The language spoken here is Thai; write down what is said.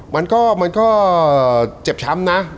มันก็เจ็บช้ำนะ